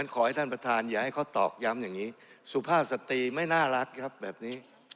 ขอให้ท่านประธานอย่าให้เขาตอกย้ำอย่างนี้สุภาพสตรีไม่น่ารักครับแบบนี้